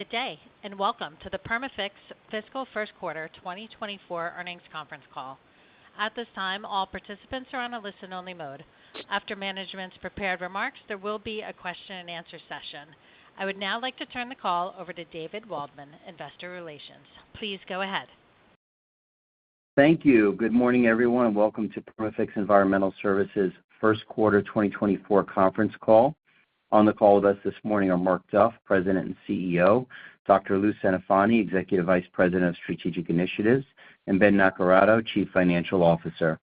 Good day, and welcome to the Perma-Fix Fiscal First Quarter 2024 Earnings Conference Call. At this time, all participants are on a listen-only mode. After management's prepared remarks, there will be a question-and-answer session. I would now like to turn the call over to David Waldman, Investor Relations. Please go ahead. Thank you. Good morning, everyone, and welcome to Perma-Fix Environmental Services' First Quarter 2024 Conference Call. On the call with us this morning are Mark Duff, President and CEO, Dr. Lou Centofanti, Executive Vice President of Strategic Initiatives, and Ben Naccarato, Chief Financial Officer.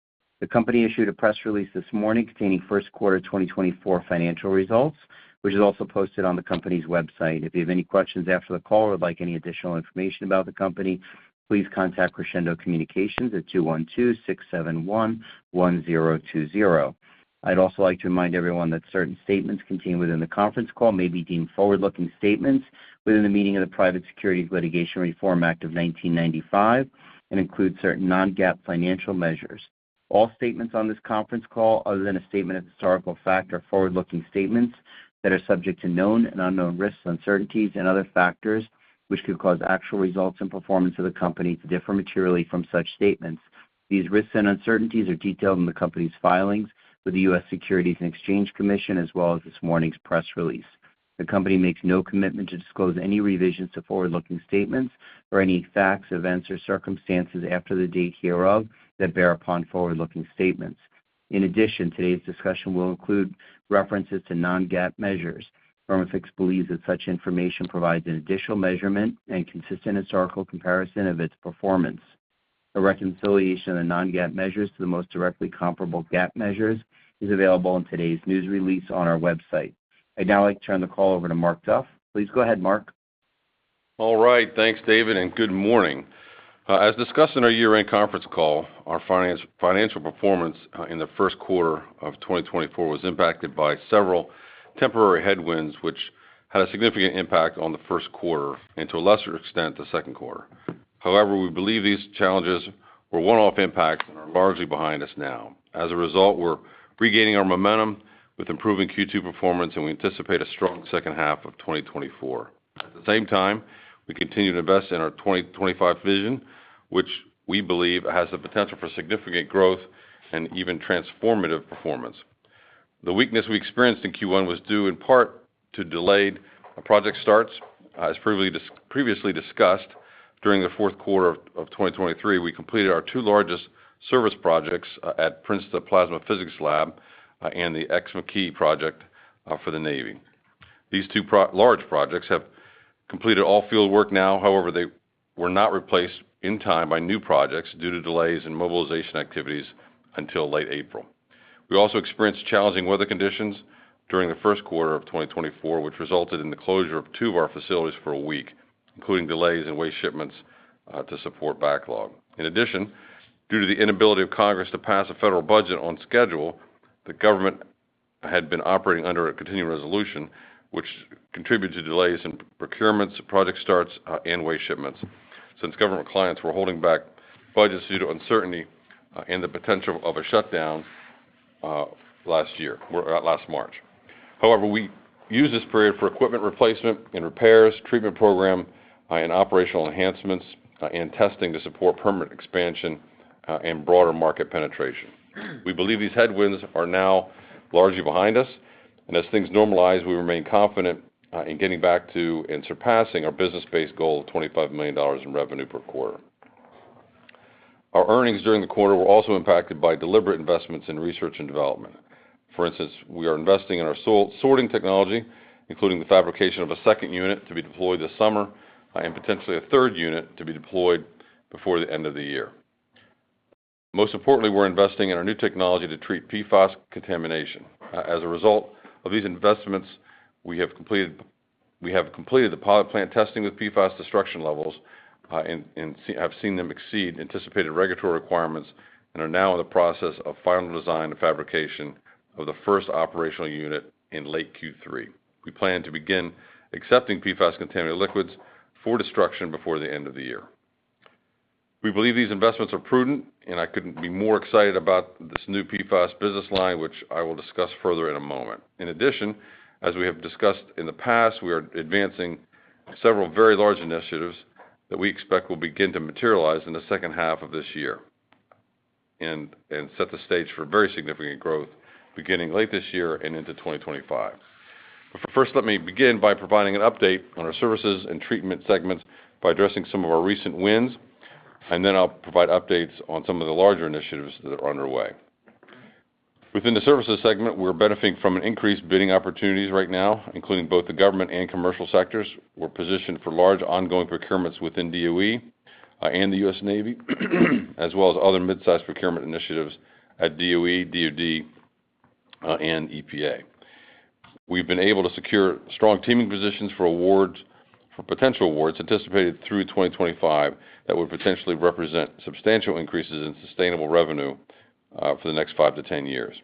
The company issued a press release this morning containing first quarter 2024 financial results, which is also posted on the company's website. If you have any questions after the call or would like any additional information about the company, please contact Crescendo Communications at 212-671-1020. I'd also like to remind everyone that certain statements contained within the conference call may be deemed forward-looking statements within the meaning of the Private Securities Litigation Reform Act of 1995, and include certain non-GAAP financial measures. All statements on this conference call, other than a statement of historical fact, are forward-looking statements that are subject to known and unknown risks, uncertainties and other factors, which could cause actual results and performance of the company to differ materially from such statements. These risks and uncertainties are detailed in the company's filings with the U.S. Securities and Exchange Commission, as well as this morning's press release. The company makes no commitment to disclose any revisions to forward-looking statements or any facts, events, or circumstances after the date hereof that bear upon forward-looking statements. In addition, today's discussion will include references to non-GAAP measures. Perma-Fix believes that such information provides an additional measurement and consistent historical comparison of its performance. A reconciliation of the non-GAAP measures to the most directly comparable GAAP measures is available in today's news release on our website. I'd now like to turn the call over to Mark Duff. Please go ahead, Mark. All right, thanks, David, and good morning. As discussed in our year-end conference call, our financial performance in the first quarter of 2024 was impacted by several temporary headwinds, which had a significant impact on the first quarter and, to a lesser extent, the second quarter. However, we believe these challenges were one-off impacts and are largely behind us now. As a result, we're regaining our momentum with improving Q2 performance, and we anticipate a strong second half of 2024. At the same time, we continue to invest in our 2025 vision, which we believe has the potential for significant growth and even transformative performance. The weakness we experienced in Q1 was due in part to delayed project starts. As previously discussed, during the fourth quarter of 2023, we completed our two largest service projects at Princeton Plasma Physics Lab and the Ex-McKee project for the Navy. These two large projects have completed all field work now. However, they were not replaced in time by new projects due to delays in mobilization activities until late April. We also experienced challenging weather conditions during the first quarter of 2024, which resulted in the closure of two of our facilities for a week, including delays in waste shipments to support backlog. In addition, due to the inability of Congress to pass a federal budget on schedule, the government had been operating under a Continuing Resolution, which contributed to delays in procurements, project starts, and waste shipments, since government clients were holding back budgets due to uncertainty and the potential of a shutdown last year, or last March. However, we used this period for equipment replacement and repairs, treatment program, and operational enhancements, and testing to support permanent expansion and broader market penetration. We believe these headwinds are now largely behind us, and as things normalize, we remain confident in getting back to and surpassing our business-based goal of $25 million in revenue per quarter. Our earnings during the quarter were also impacted by deliberate investments in research and development. For instance, we are investing in our soil-sorting technology, including the fabrication of a second unit to be deployed this summer, and potentially a third unit to be deployed before the end of the year. Most importantly, we're investing in our new technology to treat PFAS contamination. As a result of these investments, we have completed the pilot plant testing with PFAS destruction levels, and have seen them exceed anticipated regulatory requirements, and are now in the process of final design and fabrication of the first operational unit in late Q3. We plan to begin accepting PFAS-contaminated liquids for destruction before the end of the year. We believe these investments are prudent, and I couldn't be more excited about this new PFAS business line, which I will discuss further in a moment. In addition, as we have discussed in the past, we are advancing several very large initiatives that we expect will begin to materialize in the second half of this year, and set the stage for very significant growth beginning late this year and into 2025. But first, let me begin by providing an update on our services and treatment segments by addressing some of our recent wins, and then I'll provide updates on some of the larger initiatives that are underway. Within the services segment, we're benefiting from an increased bidding opportunities right now, including both the government and commercial sectors. We're positioned for large ongoing procurements within DOE, and the U.S. Navy, as well as other mid-sized procurement initiatives at DOE, DOD, and EPA. We've been able to secure strong teaming positions for awards, for potential awards, anticipated through 2025, that would potentially represent substantial increases in sustainable revenue, for the next five to 10 years.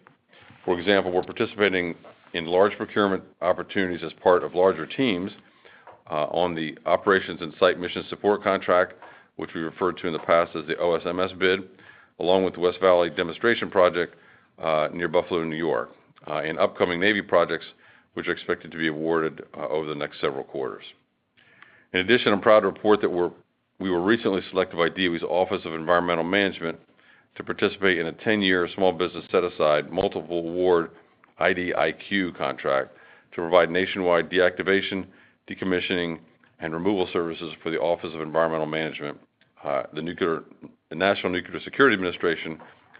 For example, we're participating in large procurement opportunities as part of larger teams, on the operations and site mission support contract, which we referred to in the past as the OSMS bid, along with the West Valley Demonstration Project, near Buffalo, New York, and upcoming Navy projects, which are expected to be awarded, over the next several quarters. In addition, I'm proud to report that we were recently selected by DOE's Office of Environmental Management to participate in a 10-year small business set-aside, multiple award IDIQ contract to provide nationwide deactivation, decommissioning, and removal services for the Office of Environmental Management, the National Nuclear Security Administration,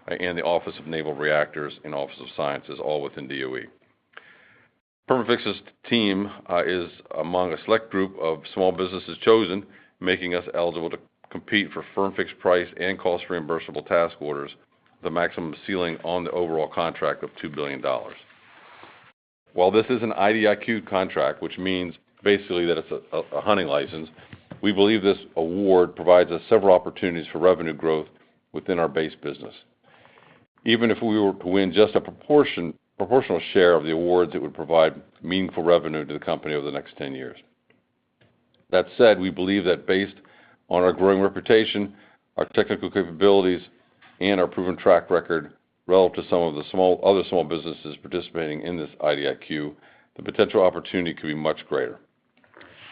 and the Office of Naval Reactors and Office of Science, all within DOE. Perma-Fix's team is among a select group of small businesses chosen, making us eligible to compete for firm-fixed price and cost-reimbursable task orders, the maximum ceiling on the overall contract of $2 billion. While this is an IDIQ contract, which means basically that it's a hunting license, we believe this award provides us several opportunities for revenue growth within our base business. Even if we were to win just a proportional share of the awards, it would provide meaningful revenue to the company over the next 10 years. That said, we believe that based on our growing reputation, our technical capabilities, and our proven track record relative to some of the other small businesses participating in this IDIQ, the potential opportunity could be much greater.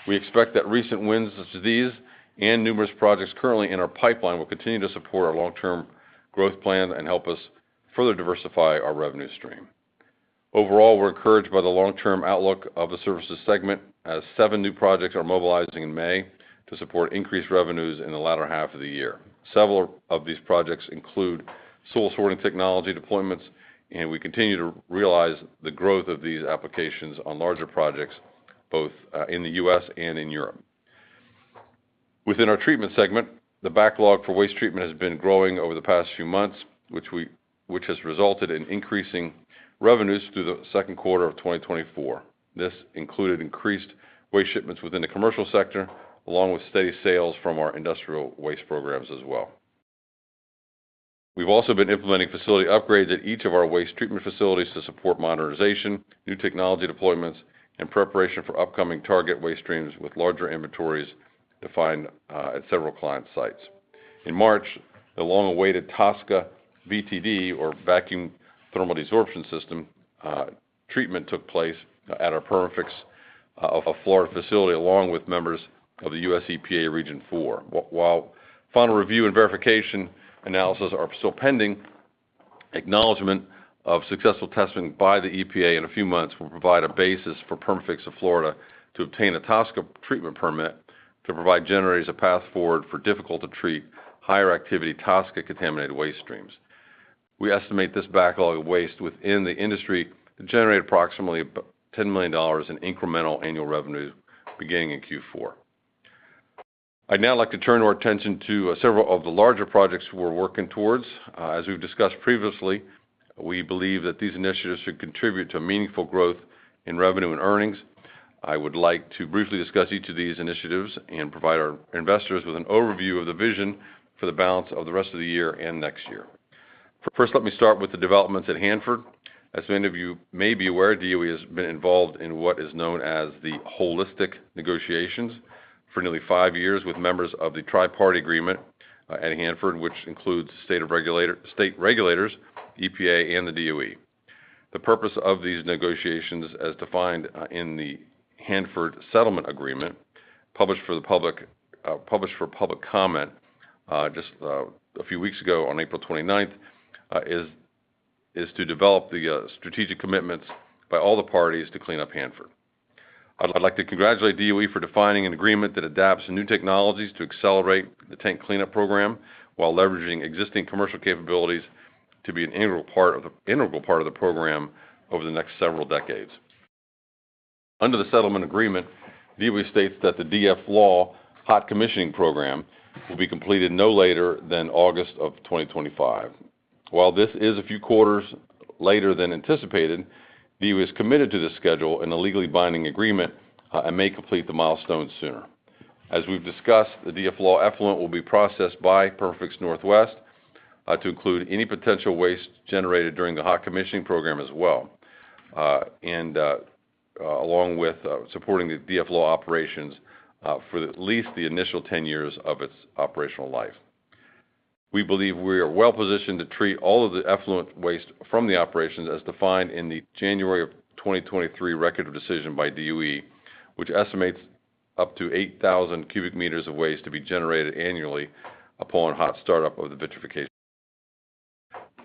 We expect that recent wins such as these and numerous projects currently in our pipeline will continue to support our long-term growth plan and help us further diversify our revenue stream. Overall, we're encouraged by the long-term outlook of the services segment, as 7 new projects are mobilizing in May to support increased revenues in the latter half of the year. Several of these projects include soil sorting technology deployments, and we continue to realize the growth of these applications on larger projects, both in the U.S. and in Europe. Within our treatment segment, the backlog for waste treatment has been growing over the past few months, which has resulted in increasing revenues through the second quarter of 2024. This included increased waste shipments within the commercial sector, along with steady sales from our industrial waste programs as well. We've also been implementing facility upgrades at each of our waste treatment facilities to support modernization, new technology deployments, and preparation for upcoming target waste streams with larger inventories defined at several client sites. In March, the long-awaited TSCA VTD, or Vacuum Thermal Desorption System, treatment took place at our Perma-Fix of Florida facility, along with members of the U.S. EPA Region Four. While final review and verification analysis are still pending, acknowledgment of successful testing by the EPA in a few months will provide a basis for Perma-Fix of Florida to obtain a TSCA treatment permit to provide generators a path forward for difficult-to-treat, higher-activity TSCA-contaminated waste streams. We estimate this backlog of waste within the industry to generate approximately about $10 million in incremental annual revenue beginning in Q4. I'd now like to turn our attention to several of the larger projects we're working towards. As we've discussed previously, we believe that these initiatives should contribute to meaningful growth in revenue and earnings. I would like to briefly discuss each of these initiatives and provide our investors with an overview of the vision for the balance of the rest of the year and next year. First, let me start with the developments at Hanford. As many of you may be aware, DOE has been involved in what is known as the holistic negotiations for nearly five years, with members of the Tri-Party Agreement at Hanford, which includes state regulators, EPA, and the DOE. The purpose of these negotiations, as defined in the Hanford Settlement Agreement, published for public comment just a few weeks ago on April 29th, is to develop the strategic commitments by all the parties to clean up Hanford. I'd like to congratulate DOE for defining an agreement that adapts new technologies to accelerate the tank cleanup program, while leveraging existing commercial capabilities to be an integral part of the program over the next several decades. Under the settlement agreement, DOE states that the DF-LAW hot commissioning program will be completed no later than August of 2025. While this is a few quarters later than anticipated, DOE is committed to this schedule in a legally binding agreement, and may complete the milestone sooner. As we've discussed, the DF-LAW effluent will be processed by Perma-Fix Northwest to include any potential waste generated during the hot commissioning program as well, and along with supporting the DF-LAW operations for at least the initial 10 years of its operational life. We believe we are well positioned to treat all of the effluent waste from the operations, as defined in the January of 2023 Record of Decision by DOE, which estimates up to 8,000 cubic meters of waste to be generated annually upon hot startup of the vitrification.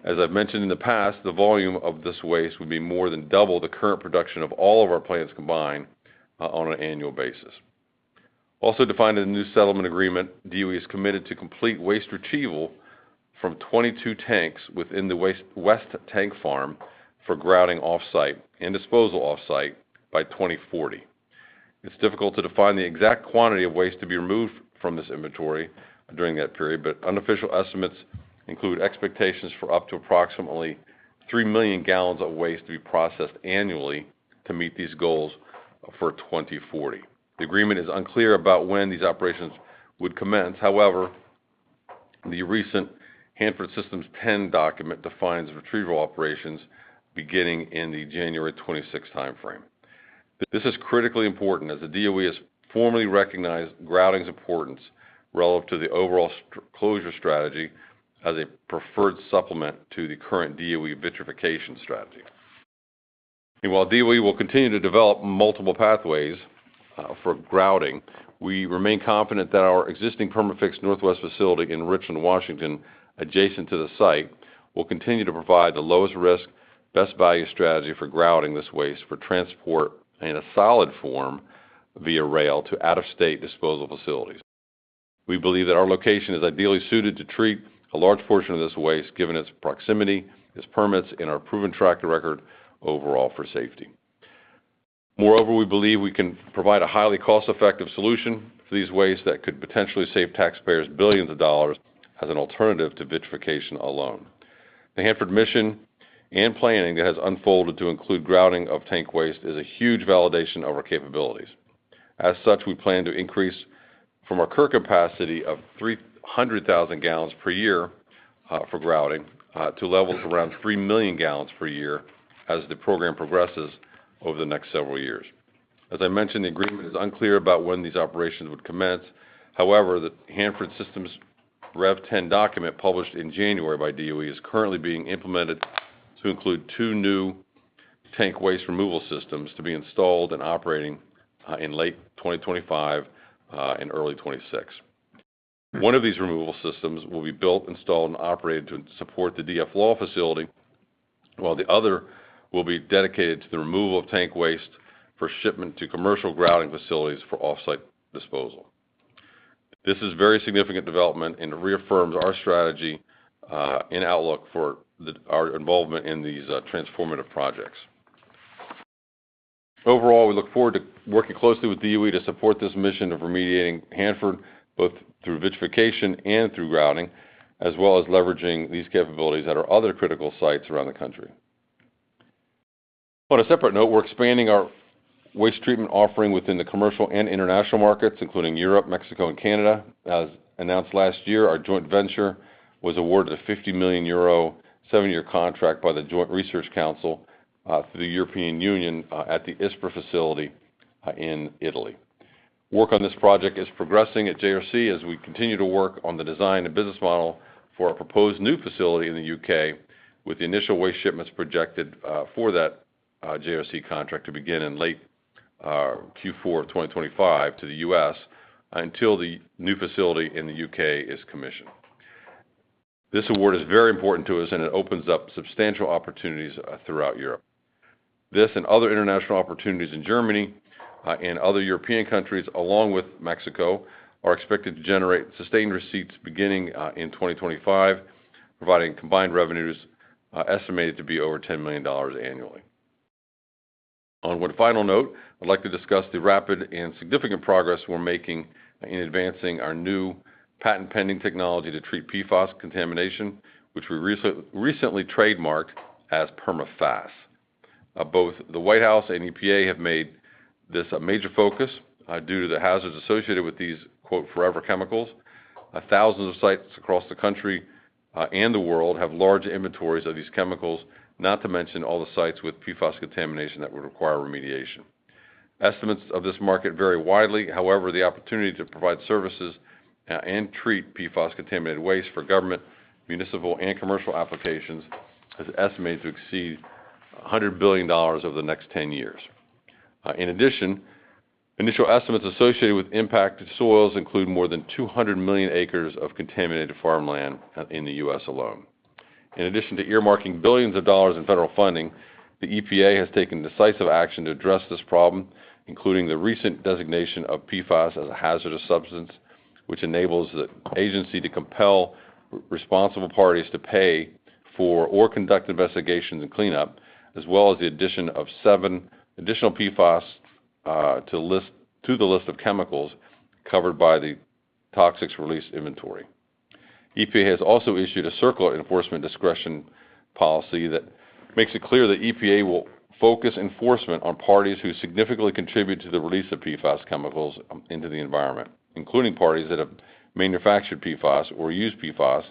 As I've mentioned in the past, the volume of this waste would be more than double the current production of all of our plants combined on an annual basis. Also defined in the new settlement agreement, DOE is committed to complete waste retrieval from 22 tanks within the West Tank Farm for grouting off-site and disposal off-site by 2040. It's difficult to define the exact quantity of waste to be removed from this inventory during that period, but unofficial estimates include expectations for up to approximately 3 million gallons of waste to be processed annually to meet these goals for 2040. The agreement is unclear about when these operations would commence. However, the recent Hanford Systems 10 document defines retrieval operations beginning in the January 2026 timeframe. This is critically important, as the DOE has formally recognized grouting's importance relevant to the overall closure strategy as a preferred supplement to the current DOE vitrification strategy. While DOE will continue to develop multiple pathways for grouting, we remain confident that our existing Perma-Fix Northwest facility in Richland, Washington, adjacent to the site, will continue to provide the lowest risk, best value strategy for grouting this waste, for transport in a solid form via rail to out-of-state disposal facilities. We believe that our location is ideally suited to treat a large portion of this waste, given its proximity, its permits, and our proven track record overall for safety. Moreover, we believe we can provide a highly cost-effective solution to these wastes that could potentially save taxpayers billions of dollars as an alternative to vitrification alone. The Hanford mission and planning that has unfolded to include grouting of tank waste is a huge validation of our capabilities. As such, we plan to increase from our current capacity of 300,000 gallons per year for grouting to levels around 3 million gallons per year as the program progresses over the next several years. As I mentioned, the agreement is unclear about when these operations would commence. However, the Hanford Systems Rev 10 document, published in January by DOE, is currently being implemented to include two new tank waste removal systems to be installed and operating in late 2025 and early 2026. One of these removal systems will be built, installed, and operated to support the DFL facility, while the other will be dedicated to the removal of tank waste for shipment to commercial grouting facilities for off-site disposal. This is a very significant development and reaffirms our strategy and outlook for the our involvement in these transformative projects. Overall, we look forward to working closely with DOE to support this mission of remediating Hanford, both through vitrification and through grouting, as well as leveraging these capabilities at our other critical sites around the country. On a separate note, we're expanding our waste treatment offering within the commercial and international markets, including Europe, Mexico, and Canada. As announced last year, our joint venture was awarded a 50 million euro, seven-year contract by the Joint Research Centre for the European Union at the Ispra facility in Italy. Work on this project is progressing at JRC as we continue to work on the design and business model for a proposed new facility in the UK, with the initial waste shipments projected for that JRC contract to begin in late Q4 of 2025 to the US, until the new facility in the UK is commissioned. This award is very important to us, and it opens up substantial opportunities throughout Europe. This and other international opportunities in Germany and other European countries, along with Mexico, are expected to generate sustained receipts beginning in 2025, providing combined revenues estimated to be over $10 million annually. On one final note, I'd like to discuss the rapid and significant progress we're making in advancing our new patent-pending technology to treat PFAS contamination, which we recently trademarked as Perma-FAS. Both the White House and EPA have made this a major focus, due to the hazards associated with these, quote, "forever chemicals." Thousands of sites across the country, and the world have large inventories of these chemicals, not to mention all the sites with PFAS contamination that would require remediation. Estimates of this market vary widely. However, the opportunity to provide services, and treat PFAS-contaminated waste for government, municipal, and commercial applications is estimated to exceed $100 billion over the next 10 years. In addition, initial estimates associated with impacted soils include more than 200 million acres of contaminated farmland, in the US alone. In addition to earmarking billions of dollars in federal funding, the EPA has taken decisive action to address this problem, including the recent designation of PFAS as a hazardous substance, which enables the agency to compel responsible parties to pay for or conduct investigations and cleanup, as well as the addition of seven additional PFAS to the list of chemicals covered by the Toxics Release Inventory. EPA has also issued a civil enforcement discretion policy that makes it clear that EPA will focus enforcement on parties who significantly contribute to the release of PFAS chemicals into the environment, including parties that have manufactured PFAS or used PFAS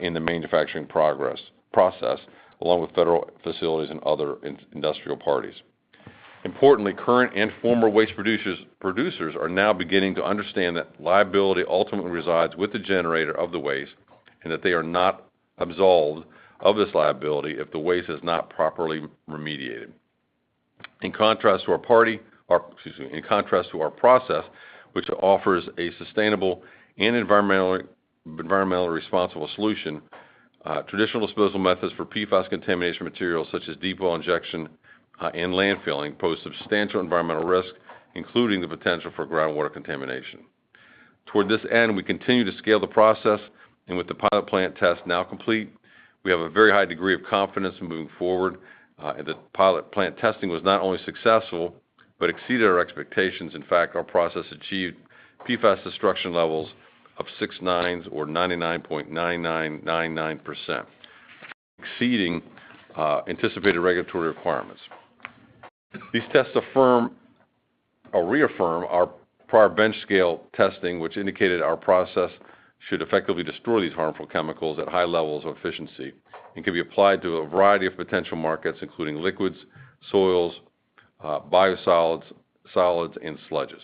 in the manufacturing process, along with federal facilities and other industrial parties. Importantly, current and former waste producers are now beginning to understand that liability ultimately resides with the generator of the waste, and that they are not absolved of this liability if the waste is not properly remediated. In contrast to our party, or excuse me, in contrast to our process, which offers a sustainable and environmentally responsible solution, traditional disposal methods for PFAS contamination materials such as deep well injection and landfilling pose substantial environmental risk, including the potential for groundwater contamination. Toward this end, we continue to scale the process, and with the pilot plant test now complete, we have a very high degree of confidence in moving forward. The pilot plant testing was not only successful but exceeded our expectations. In fact, our process achieved PFAS destruction levels of six 9s or 99.9999%, exceeding anticipated regulatory requirements. These tests, I'll reaffirm, our prior bench scale testing, which indicated our process should effectively destroy these harmful chemicals at high levels of efficiency, and can be applied to a variety of potential markets, including liquids, soils, biosolids, solids, and sludges.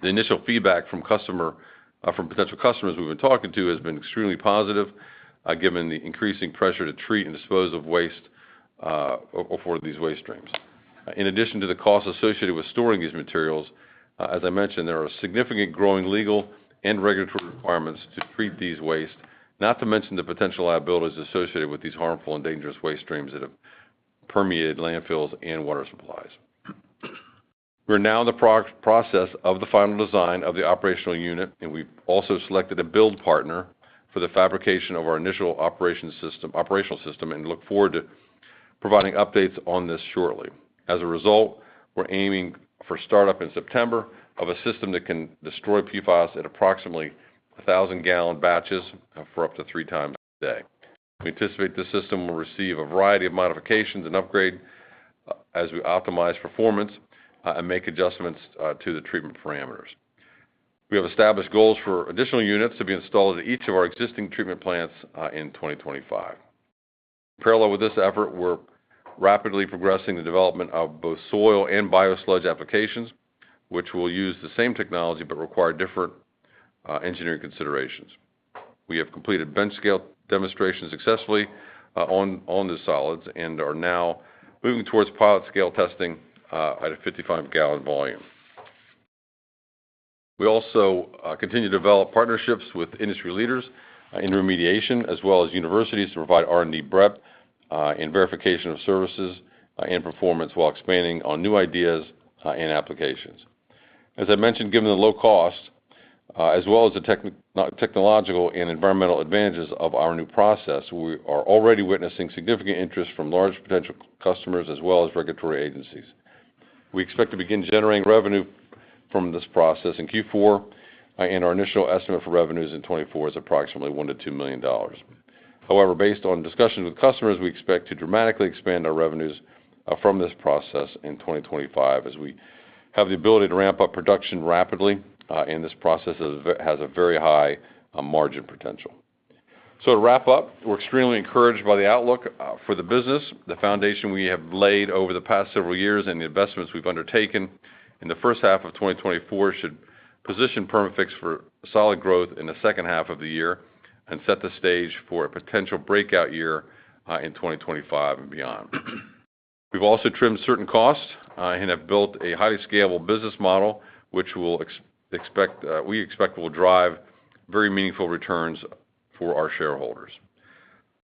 The initial feedback from potential customers we've been talking to has been extremely positive, given the increasing pressure to treat and dispose of waste for these waste streams. In addition to the costs associated with storing these materials, as I mentioned, there are significant growing legal and regulatory requirements to treat these wastes, not to mention the potential liabilities associated with these harmful and dangerous waste streams that have permeated landfills and water supplies. We're now in the process of the final design of the operational unit, and we've also selected a build partner for the fabrication of our initial operational system, and look forward to providing updates on this shortly. As a result, we're aiming for startup in September of a system that can destroy PFAS at approximately 1,000-gallon batches for up to three times a day. We anticipate this system will receive a variety of modifications and upgrade as we optimize performance and make adjustments to the treatment parameters. We have established goals for additional units to be installed at each of our existing treatment plants in 2025. Parallel with this effort, we're rapidly progressing the development of both soil and biosludge applications, which will use the same technology but require different engineering considerations. We have completed bench scale demonstrations successfully on the solids and are now moving towards pilot scale testing at a 55-gallon volume. We also continue to develop partnerships with industry leaders in remediation, as well as universities to provide R&D breadth and verification of services and performance while expanding on new ideas and applications. As I mentioned, given the low cost, as well as the technological and environmental advantages of our new process, we are already witnessing significant interest from large potential customers as well as regulatory agencies. We expect to begin generating revenue from this process in Q4, and our initial estimate for revenues in 2024 is approximately $1 million-$2 million. However, based on discussions with customers, we expect to dramatically expand our revenues from this process in 2025, as we have the ability to ramp up production rapidly, and this process has a very, has a very high margin potential. So to wrap up, we're extremely encouraged by the outlook for the business. The foundation we have laid over the past several years and the investments we've undertaken in the first half of 2024 should position Perma-Fix for solid growth in the second half of the year and set the stage for a potential breakout year in 2025 and beyond. We've also trimmed certain costs and have built a highly scalable business model, which we expect will drive very meaningful returns for our shareholders.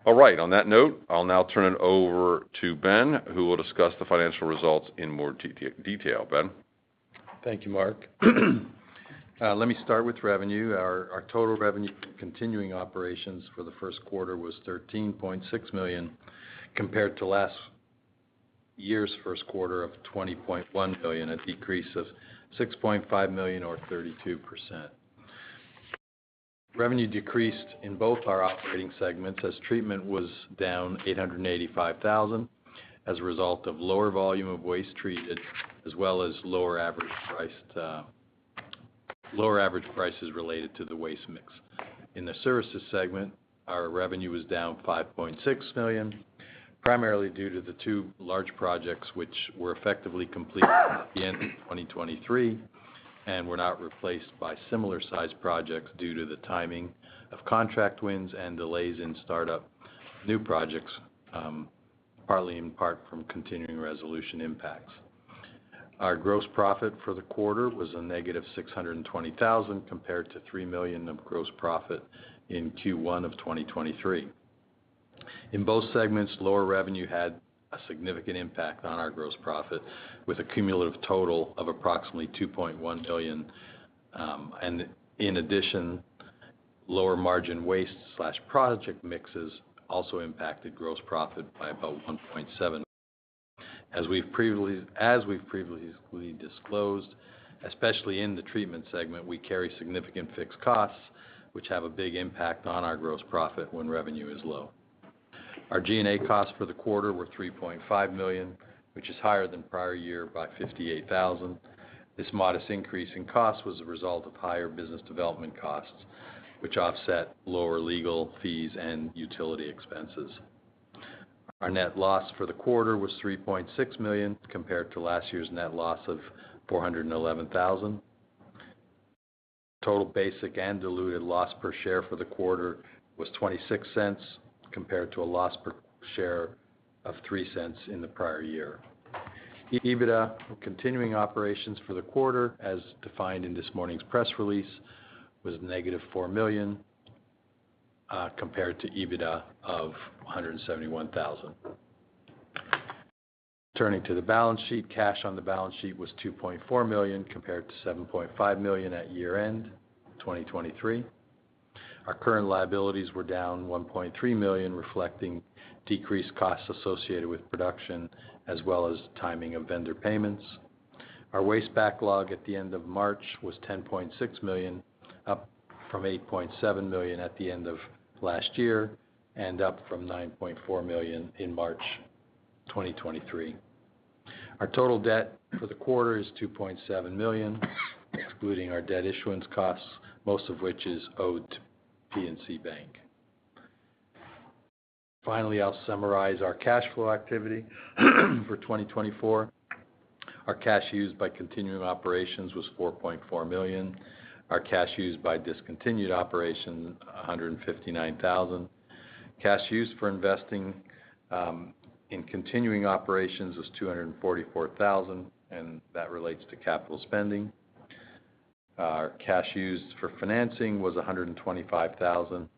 All right, on that note, I'll now turn it over to Ben, who will discuss the financial results in more detail. Ben? Thank you, Mark. Let me start with revenue. Our total revenue from continuing operations for the first quarter was $13.6 million, compared to last year's first quarter of $20.1 million, a decrease of $6.5 million, or 32%. Revenue decreased in both our operating segments as treatment was down $885,000, as a result of lower volume of waste treated, as well as lower average priced, lower average prices related to the waste mix. In the services segment, our revenue was down $5.6 million, primarily due to the two large projects, which were effectively completed at the end of 2023, and were not replaced by similar-sized projects due to the timing of contract wins and delays in startup new projects, partly in part from continuing resolution impacts. Our gross profit for the quarter was negative $620,000, compared to $3 million of gross profit in Q1 of 2023. In both segments, lower revenue had a significant impact on our gross profit, with a cumulative total of approximately $2.1 million. And in addition, lower margin waste/project mixes also impacted gross profit by about $1.7 million. As we've previously disclosed, especially in the treatment segment, we carry significant fixed costs, which have a big impact on our gross profit when revenue is low. Our G&A costs for the quarter were $3.5 million, which is higher than prior year by $58,000. This modest increase in cost was a result of higher business development costs, which offset lower legal fees and utility expenses. Our net loss for the quarter was $3.6 million, compared to last year's net loss of $411,000. Total basic and diluted loss per share for the quarter was $0.26, compared to a loss per share of $0.03 in the prior year. EBITDA for continuing operations for the quarter, as defined in this morning's press release, was -$4 million, compared to EBITDA of $171,000. Turning to the balance sheet, cash on the balance sheet was $2.4 million, compared to $7.5 million at year-end 2023. Our current liabilities were down $1.3 million, reflecting decreased costs associated with production, as well as timing of vendor payments. Our waste backlog at the end of March was $10.6 million, up-... from $8.7 million at the end of last year and up from $9.4 million in March 2023. Our total debt for the quarter is $2.7 million, excluding our debt issuance costs, most of which is owed to PNC Bank. Finally, I'll summarize our cash flow activity for 2024. Our cash used by continuing operations was $4.4 million. Our cash used by discontinued operation, $159,000. Cash used for investing, in continuing operations was $244,000, and that relates to capital spending. Our cash used for financing was $125,000.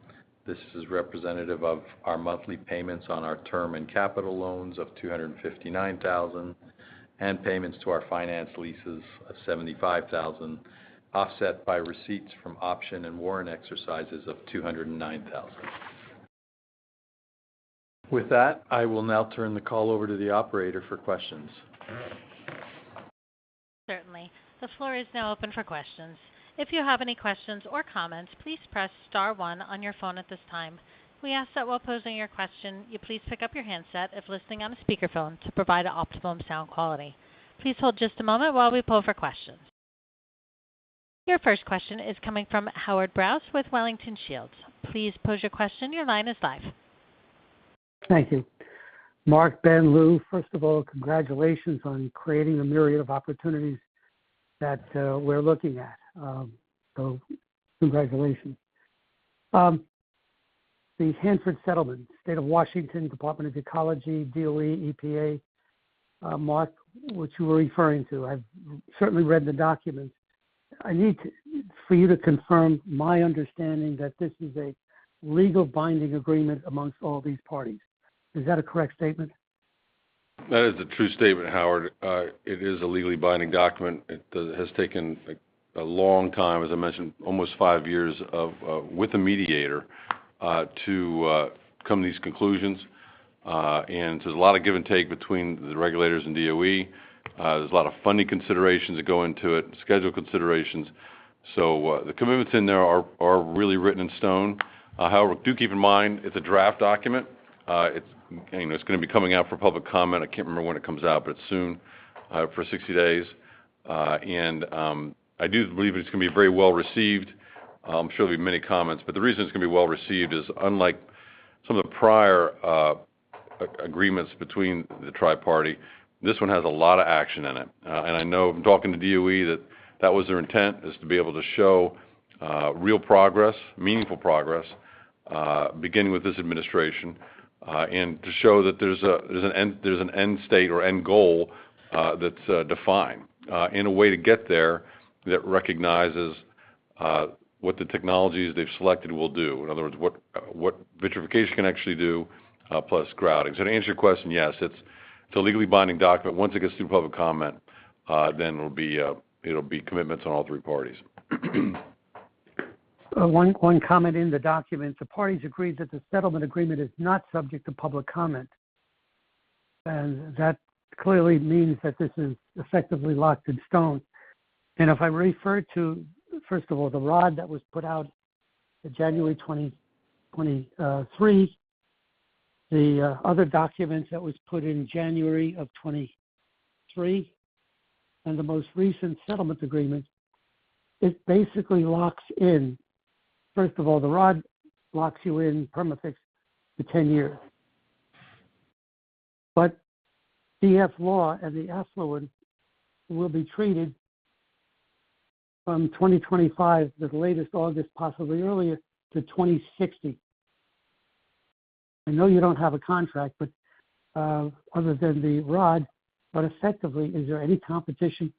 This is representative of our monthly payments on our term and capital loans of $259,000, and payments to our finance leases of $75,000, offset by receipts from option and warrant exercises of $209,000. With that, I will now turn the call over to the operator for questions. Certainly. The floor is now open for questions. If you have any questions or comments, please press Star one on your phone at this time. We ask that while posing your question, you please pick up your handset if listening on a speakerphone to provide the optimum sound quality. Please hold just a moment while we pull for questions. Your first question is coming from Howard Brous with Wellington Shields. Please pose your question. Your line is live. Thank you. Mark, Ben, Lou, first of all, congratulations on creating a myriad of opportunities that we're looking at. So congratulations. The Hanford settlement, State of Washington, Department of Ecology, DOE, EPA, Mark, which you were referring to, I've certainly read the documents. I need for you to confirm my understanding that this is a legal binding agreement amongst all these parties. Is that a correct statement? That is a true statement, Howard. It is a legally binding document. It has taken a long time, as I mentioned, almost five years of with a mediator to come to these conclusions. And there's a lot of give and take between the regulators and DOE. There's a lot of funding considerations that go into it, schedule considerations. So, the commitments in there are really written in stone. However, do keep in mind, it's a draft document. It's, you know, it's gonna be coming out for public comment. I can't remember when it comes out, but it's soon for 60 days. And I do believe it's gonna be very well-received. I'm sure there'll be many comments, but the reason it's gonna be well-received is unlike some of the prior agreements between the Tri-Party, this one has a lot of action in it. And I know from talking to DOE that that was their intent, is to be able to show real progress, meaningful progress, beginning with this administration. And to show that there's a, there's an end, there's an end state or end goal, that's defined, and a way to get there that recognizes what the technologies they've selected will do. In other words, what vitrification can actually do, plus grouting. So to answer your question, yes, it's a legally binding document. Once it gets through public comment, then it'll be commitments on all three parties. One, one comment in the document. The parties agreed that the settlement agreement is not subject to public comment, and that clearly means that this is effectively locked in stone. And if I refer to, first of all, the ROD that was put out in January 2023, the other documents that was put in January of 2023, and the most recent settlement agreement, it basically locks in. First of all, the ROD locks you in Perma-Fix for 10 years. But DF-LAW and the effluent will be treated from 2025, the latest August, possibly earlier, to 2060. I know you don't have a contract, but other than the ROD, but effectively, is there any competition?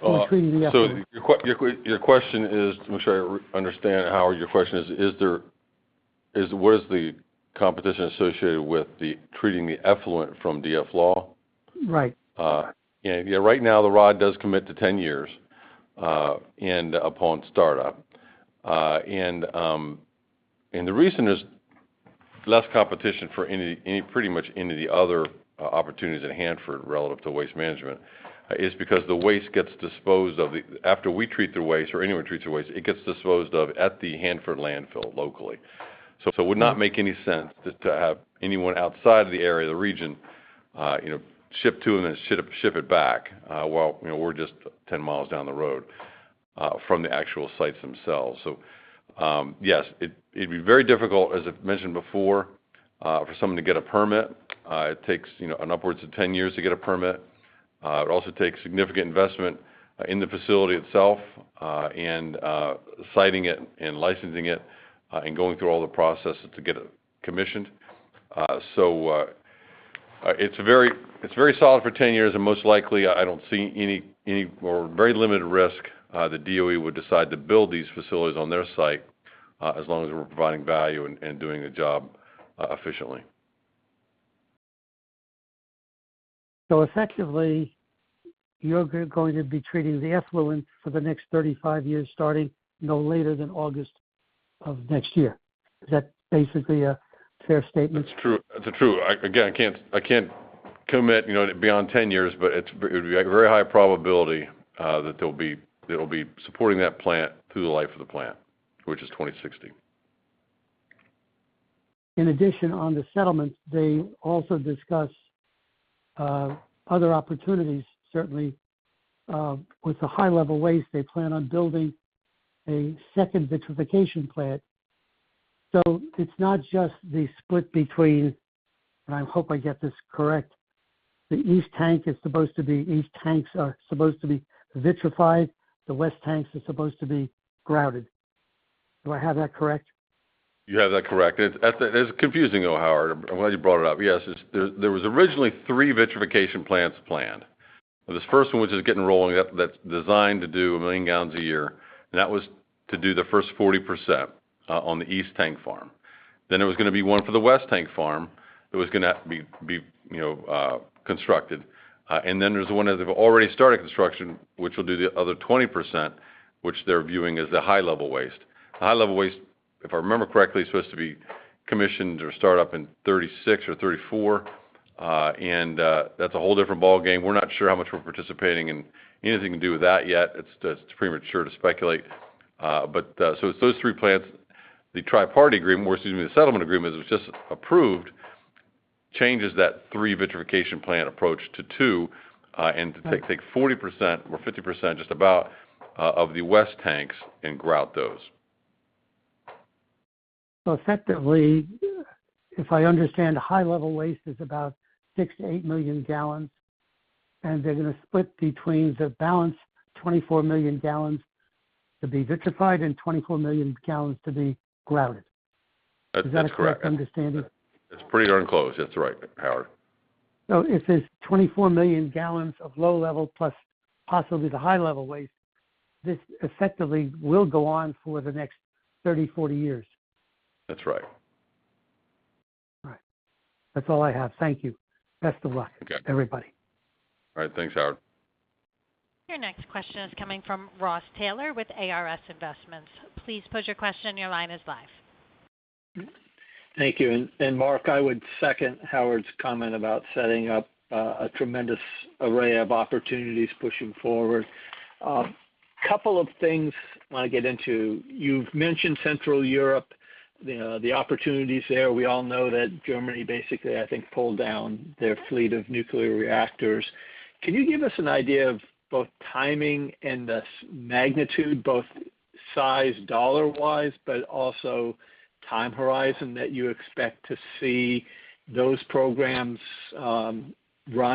So your question is, to make sure I understand, Howard, your question is, is there... what is the competition associated with treating the effluent from DF-LAW? Right. Yeah, right now, the ROD does commit to 10 years and upon startup. The reason there's less competition for any, any, pretty much any of the other opportunities at Hanford relative to waste management is because the waste gets disposed of. After we treat the waste or anyone treats the waste, it gets disposed of at the Hanford landfill locally. So it would not make any sense to have anyone outside of the area, the region, you know, ship to and then ship it back while, you know, we're just 10 miles down the road from the actual sites themselves. So yes, it'd be very difficult, as I've mentioned before, for someone to get a permit. It takes, you know, an upwards of 10 years to get a permit. It also takes significant investment in the facility itself, and siting it and licensing it, and going through all the processes to get it commissioned. So, it's very, it's very solid for 10 years, and most likely, I don't see any, any or very limited risk the DOE would decide to build these facilities on their site, as long as we're providing value and, and doing the job efficiently. Effectively, you're going to be treating the effluent for the next 35 years, starting no later than August of next year? Is that basically a fair statement? It's true. It's true. I, again, I can't, I can't commit, you know, beyond 10 years, but it's, it would be a very high probability that they'll be, they'll be supporting that plant through the life of the plant, which is 2060. In addition, on the settlement, they also discuss other opportunities. Certainly, with the high-level waste, they plan on building a second vitrification plant. So it's not just the split between, and I hope I get this correct, the east tank is supposed to be - east tanks are supposed to be vitrified, the west tanks are supposed to be grouted. Do I have that correct? You have that correct. It's confusing, though, Howard. I'm glad you brought it up. Yes, it's—there was originally 3 vitrification plants planned. This first one, which is getting rolling, that's designed to do 1 million gallons a year, and that was to do the first 40%, on the East Tank Farm. Then there was gonna be one for the West Tank Farm, that was gonna have to be, you know, constructed. And then there's the one that they've already started construction, which will do the other 20%, which they're viewing as the high level waste. The high level waste, if I remember correctly, is supposed to be commissioned or start up in 2036 or 2034, and that's a whole different ballgame. We're not sure how much we're participating in anything to do with that yet. It's premature to speculate, but so it's those three plants. The Tri-Party Agreement, or excuse me, the settlement agreement, which was just approved, changes that three vitrification plant approach to two, and to take 40% or 50%, just about, of the west tanks and grout those. So effectively, if I understand, high-level waste is about 6-8 million gallons, and they're gonna split between the balanced 24 million gallons to be vitrified and 24 million gallons to be grouted. That's correct. Is that understanding? It's pretty darn close. That's right, Howard. So if there's 24 million gallons of low level, plus possibly the high level waste, this effectively will go on for the next 30-40 years? That's right. All right. That's all I have. Thank you. Best of luck- Okay. - everybody. All right. Thanks, Howard. Your next question is coming from Ross Taylor with ARS Investment Partners. Please pose your question. Your line is live. Thank you. And Mark, I would second Howard's comment about setting up a tremendous array of opportunities pushing forward. Couple of things I want to get into. You've mentioned Central Europe, the opportunities there. We all know that Germany, basically, I think, pulled down their fleet of nuclear reactors. Can you give us an idea of both timing and the magnitude, both size, dollar wise, but also time horizon, that you expect to see those programs run?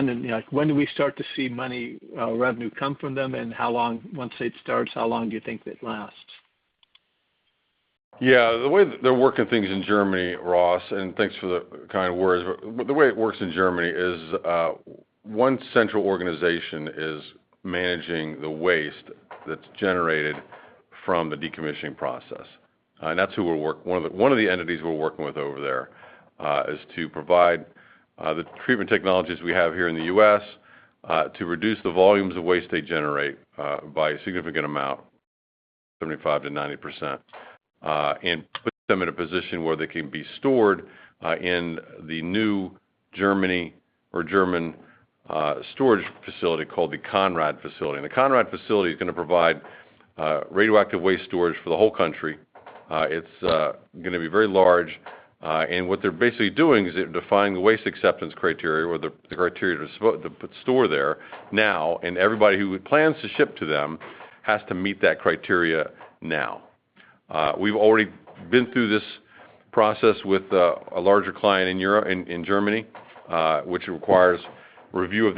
And, you know, when do we start to see money revenue come from them, and how long? Once it starts, how long do you think it lasts? Yeah, the way they're working things in Germany, Ross, and thanks for the kind words. But the way it works in Germany is, one central organization is managing the waste that's generated from the decommissioning process. And that's who we're working with over there is to provide the treatment technologies we have here in the U.S. to reduce the volumes of waste they generate by a significant amount, 75%-90%, and put them in a position where they can be stored in the new Germany or German storage facility called the Konrad facility. And the Konrad facility is gonna provide radioactive waste storage for the whole country. It's gonna be very large. And what they're basically doing is defining the waste acceptance criteria or the criteria to store there now, and everybody who plans to ship to them has to meet that criteria now. We've already been through this process with a larger client in Europe, in Germany, which requires review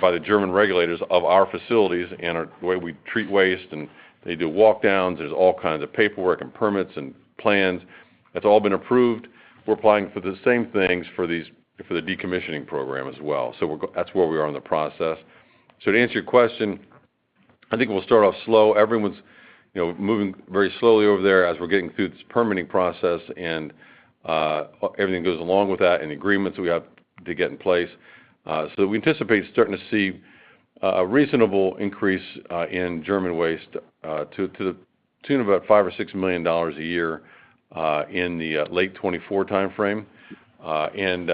by the German regulators of our facilities and the way we treat waste, and they do walkdowns. There's all kinds of paperwork and permits and plans. That's all been approved. We're applying for the same things for these, for the decommissioning program as well. That's where we are in the process. So to answer your question, I think it will start off slow. Everyone's, you know, moving very slowly over there as we're getting through this permitting process, and everything goes along with that and agreements we have to get in place. So we anticipate starting to see a reasonable increase in German waste to the tune of about $5-$6 million a year in the late 2024 timeframe. And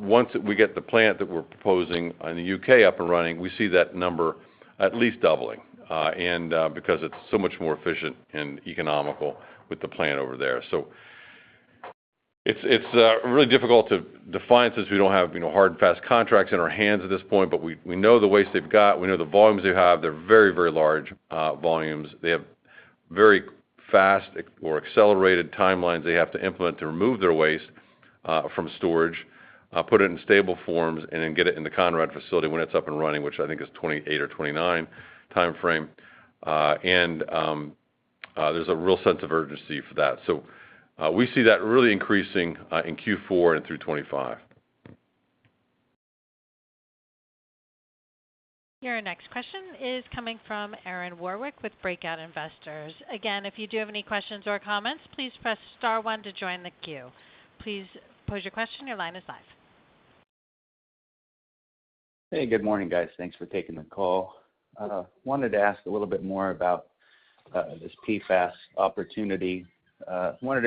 once we get the plant that we're proposing in the UK up and running, we see that number at least doubling, and because it's so much more efficient and economical with the plant over there. So it's really difficult to define since we don't have, you know, hard and fast contracts in our hands at this point, but we know the waste they've got, we know the volumes they have. They're very, very large volumes. They have very fast or accelerated timelines they have to implement to remove their waste from storage, put it in stable forms, and then get it in the Konrad facility when it's up and running, which I think is 2028 or 2029 timeframe. And, there's a real sense of urgency for that. So, we see that really increasing in Q4 and through 2025. Your next question is coming from Aaron Warwick with Breakout Investors. Again, if you do have any questions or comments, please press star one to join the queue. Please pose your question. Your line is live. Hey, good morning, guys. Thanks for taking the call. Wanted to ask a little bit more about this PFAS opportunity. Wanted to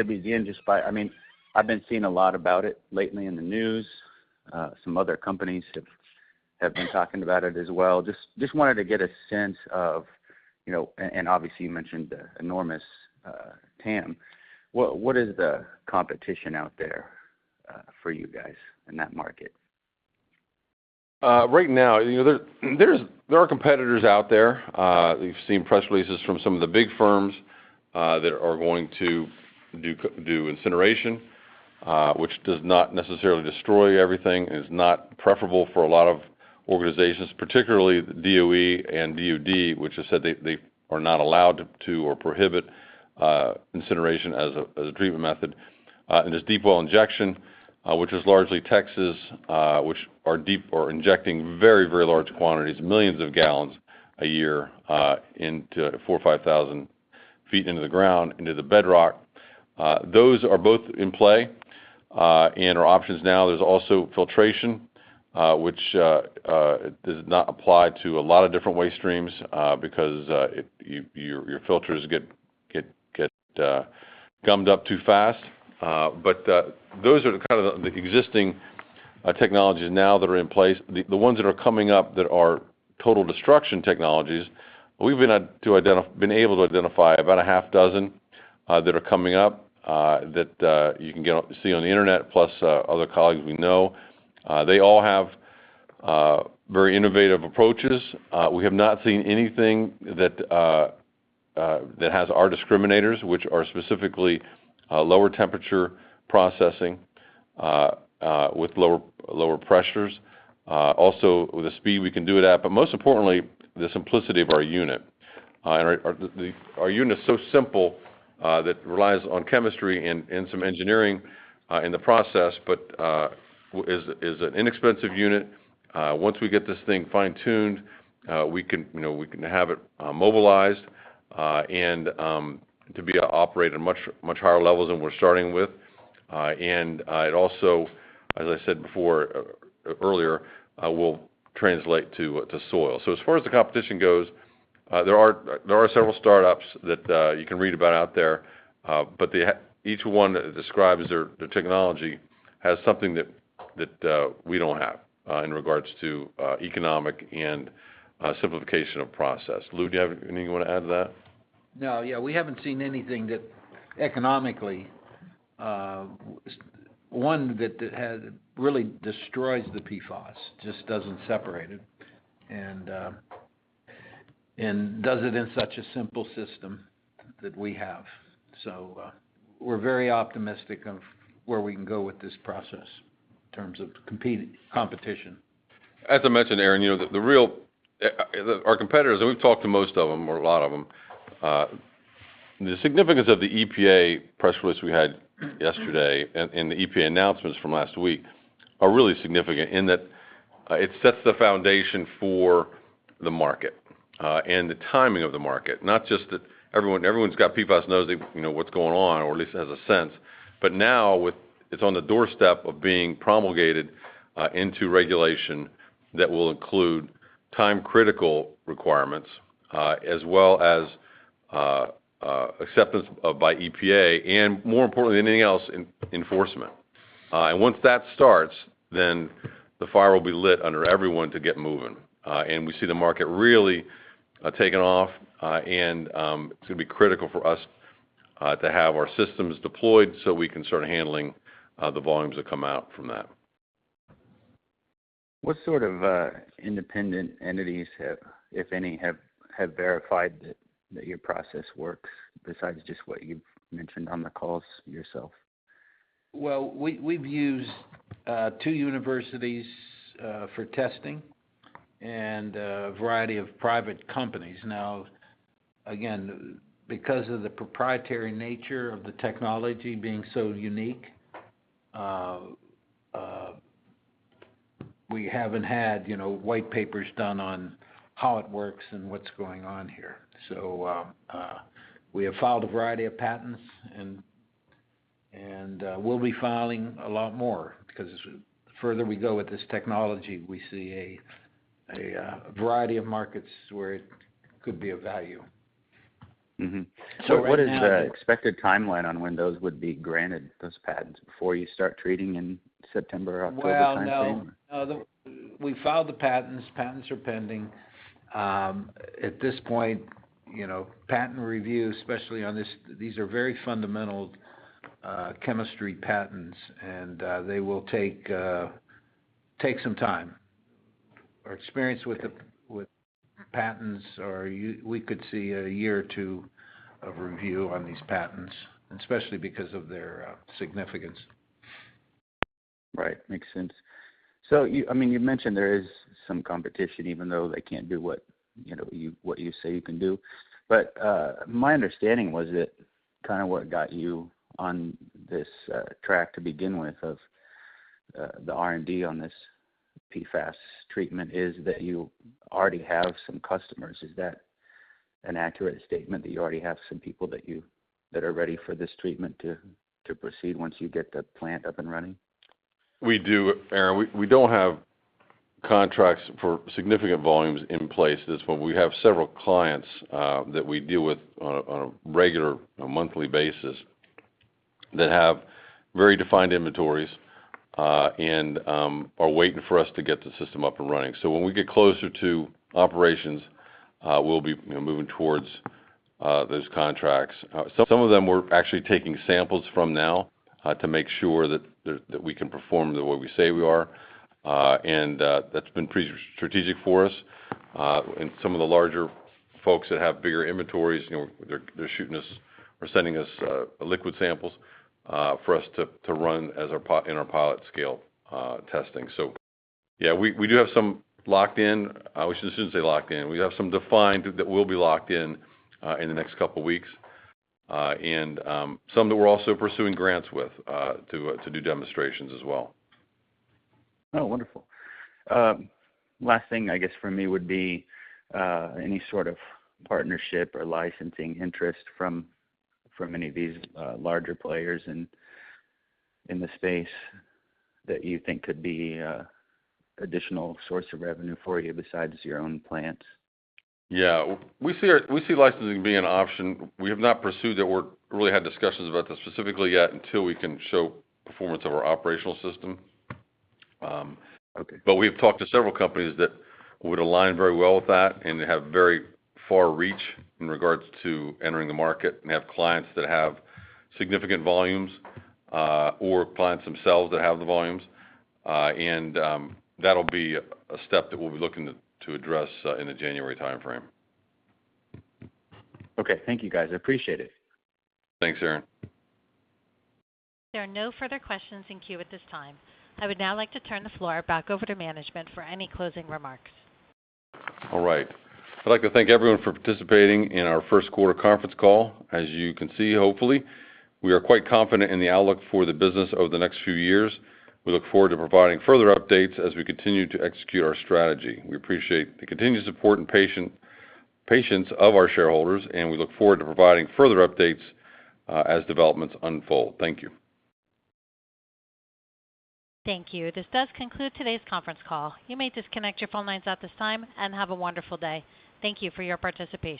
begin just by—I mean, I've been seeing a lot about it lately in the news. Some other companies have been talking about it as well. Just wanted to get a sense of, you know, and obviously, you mentioned the enormous TAM. What is the competition out there for you guys in that market? Right now, you know, there are competitors out there. We've seen press releases from some of the big firms that are going to do incineration, which does not necessarily destroy everything and is not preferable for a lot of organizations, particularly the DOE and DOD, which has said they are not allowed to or prohibit incineration as a treatment method. And there's deep well injection, which is largely Texas, which are deep or injecting very, very large quantities, millions of gallons a year, into 4,000-5,000 feet into the ground, into the bedrock. Those are both in play and are options now. There's also filtration, which does not apply to a lot of different waste streams, because your filters get gummed up too fast. But those are the kind of the existing technologies now that are in place. The ones that are coming up that are total destruction technologies, we've been able to identify about a half dozen that are coming up that you can see on the internet, plus other colleagues we know. They all have very innovative approaches. We have not seen anything that has our discriminators, which are specifically lower temperature processing with lower pressures, also with the speed we can do it at, but most importantly, the simplicity of our unit. And our unit is so simple that relies on chemistry and some engineering in the process, but is an inexpensive unit. Once we get this thing fine-tuned, we can, you know, we can have it mobilized and to be able to operate at much higher levels than we're starting with. And it also, as I said before, earlier, will translate to soil. So as far as the competition goes, there are several startups that you can read about out there, but each one describes their technology has something that we don't have in regards to economic and simplification of process. Lou, do you have anything you want to add to that? No. Yeah, we haven't seen anything that economically, one that has really destroys the PFAS, just doesn't separate it, and does it in such a simple system that we have. So, we're very optimistic of where we can go with this process in terms of competing competition. As I mentioned, Aaron, you know, the real, our competitors, and we've talked to most of them or a lot of them. The significance of the EPA press release we had yesterday and the EPA announcements from last week are really significant in that it sets the foundation for the market and the timing of the market, not just that everyone, everyone's got PFAS, knows they, you know, what's going on or at least has a sense. But now, it's on the doorstep of being promulgated into regulation that will include time-critical requirements as well as acceptance of by EPA, and more importantly than anything else, enforcement. And once that starts, then the fire will be lit under everyone to get moving. And we see the market really taking off, and to be critical for us to have our systems deployed so we can start handling the volumes that come out from that. What sort of independent entities have, if any, verified that your process works, besides just what you've mentioned on the calls yourself? Well, we've used two universities for testing and a variety of private companies. Now, again, because of the proprietary nature of the technology being so unique, we haven't had, you know, white papers done on how it works and what's going on here. So, we have filed a variety of patents, and we'll be filing a lot more because the further we go with this technology, we see a variety of markets where it could be of value. Mm-hmm. So right now What is the expected timeline on when those would be granted, those patents, before you start treating in September or October kind of thing? Well, no. We filed the patents. Patents are pending. At this point, you know, patent review, especially on this, these are very fundamental chemistry patents, and they will take some time. Our experience with patents are we could see a year or two of review on these patents, and especially because of their significance. Right. Makes sense. So I mean, you mentioned there is some competition, even though they can't do what, you know, you, what you say you can do. But my understanding was that kind of what got you on this track to begin with, of the R&D on this PFAS treatment, is that you already have some customers. Is that an accurate statement, that you already have some people that are ready for this treatment to proceed once you get the plant up and running? We do, Aaron. We don't have contracts for significant volumes in place just yet, but we have several clients that we deal with on a regular monthly basis that have very defined inventories and are waiting for us to get the system up and running. So when we get closer to operations, we'll be, you know, moving towards those contracts. Some of them we're actually taking samples from now to make sure that we can perform the way we say we are. And that's been pretty strategic for us. And some of the larger folks that have bigger inventories, you know, they're shipping us or sending us liquid samples for us to run in our pilot scale testing. So yeah, we do have some locked in. We shouldn't say locked in. We have some defined that will be locked in in the next couple weeks, and some that we're also pursuing grants with to do demonstrations as well. Oh, wonderful. Last thing, I guess, from me would be any sort of partnership or licensing interest from any of these larger players in the space that you think could be a additional source of revenue for you besides your own plant? Yeah. We see licensing being an option. We have not pursued it or really had discussions about this specifically yet, until we can show performance of our operational system. Okay. But we've talked to several companies that would align very well with that and have very far reach in regards to entering the market, and have clients that have significant volumes, or clients themselves that have the volumes. And, that'll be a step that we'll be looking to, to address, in the January timeframe. Okay. Thank you, guys. I appreciate it. Thanks, Aaron. There are no further questions in queue at this time. I would now like to turn the floor back over to management for any closing remarks. All right. I'd like to thank everyone for participating in our first quarter conference call. As you can see, hopefully, we are quite confident in the outlook for the business over the next few years. We look forward to providing further updates as we continue to execute our strategy. We appreciate the continued support and patience of our shareholders, and we look forward to providing further updates as developments unfold. Thank you. Thank you. This does conclude today's conference call. You may disconnect your phone lines at this time, and have a wonderful day. Thank you for your participation.